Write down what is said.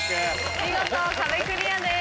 見事壁クリアです。